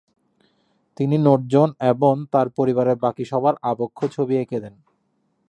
তিনি নুটজন এবং তার পরিবারের বাকি সবার আবক্ষ ছবি এঁকে দেন।